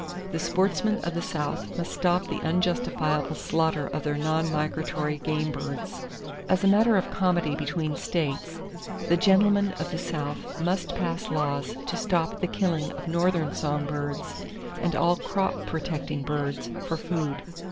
The sportsmen of the South must stop the unjustifiable slaughter of their non migratory game birds. As a matter of comity between states, the gentlemen of the South must pass laws to stop the killing of northern song birds and all crop protecting birds, for food.